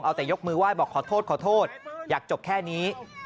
เอาแต่ยกมือไหว้บอกขอโทษขอโทษอยากจบแค่นี้